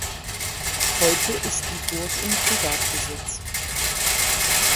Heute ist die Burg in Privatbesitz.